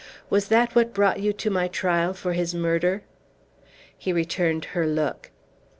"Was that what brought you to my trial for his murder?" He returned her look.